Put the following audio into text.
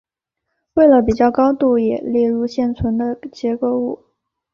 为了比较高度也列入现存的结构物。